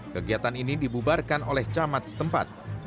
kegiatan ini dibubarkan oleh camat setempat